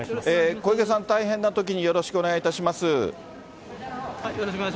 小池さん、大変なときによろしくお願いいたします。